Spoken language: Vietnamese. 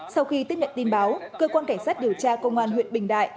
sau khi tiếp nhận tin báo cơ quan cảnh sát điều tra công an huyện bình đại